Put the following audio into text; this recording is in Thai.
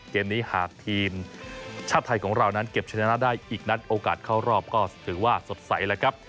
เกมนี้หากทีมชาติไทยของเรานั้นเก็บชนะได้อีกนัดโอกาสเข้ารอบก็ถือว่าสดใสแล้วครับ